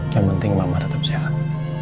yang penting mama tetap sehat